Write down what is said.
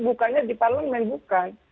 bukannya di parlamen bukan